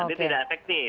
ini tidak efektif